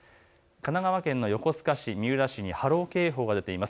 神奈川県の横須賀市、三浦市に波浪警報が出ています。